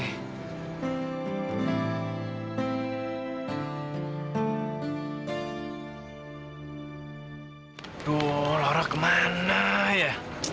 aduh laura kemana ya